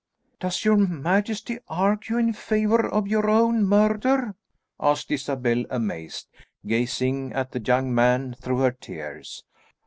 "Does your majesty argue in favour of your own murder?" asked Isabel amazed, gazing at the young man through her tears.